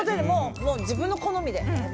自分の好みで。